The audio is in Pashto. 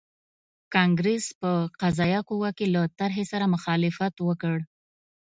کانګریس په قضایه قوه کې له طرحې سره مخالفت وکړ.